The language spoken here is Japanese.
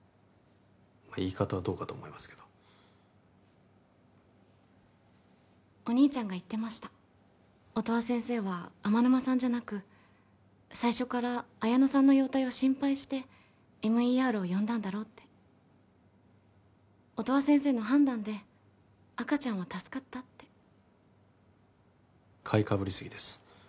まあ言い方はどうかと思いますけどお兄ちゃんが言ってました音羽先生は天沼さんじゃなく最初から彩乃さんの容体を心配してＭＥＲを呼んだんだろうって音羽先生の判断で赤ちゃんは助かったってかいかぶりすぎです